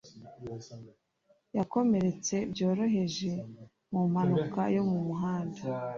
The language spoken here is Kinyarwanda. Yakomeretse byoroheje mu mpanuka yo mu muhanda.